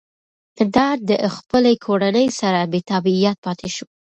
ده د خپلې کورنۍ سره بېتابعیت پاتې شو.